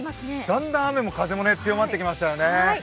だんだん雨も風も強まってきましたよね。